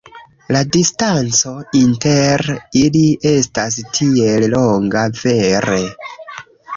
La distanco inter ili estas tiel longa, vere.